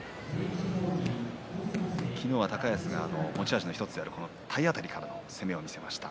昨日は高安が持ち味の１つである体当たりからの攻めを見せました。